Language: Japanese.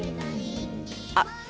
あっ！